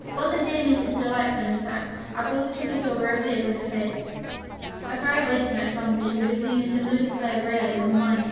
Wasn't dear Mrs. delightful in that last act? I positively saw real tears on her face!' If I had waited much longer she would have seen a similar display of realism on mine.